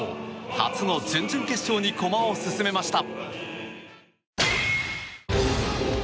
初の準々決勝に駒を進めました。